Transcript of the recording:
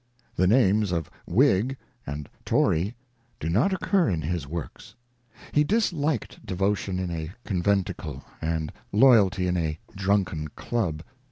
The names of Whig and Tory do not occur in his works. He disliked devotion in a con venticle, and loyalty in a drunken Club.